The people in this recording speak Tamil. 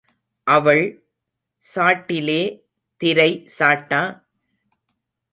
அவள் சாட்டிலே திரை சாட்டா?